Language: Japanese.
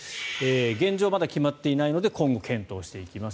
現状はまだ決まっていないので今後検討していきます。